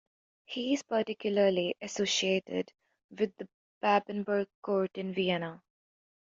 He is particularly associated with the Babenberg court in Vienna.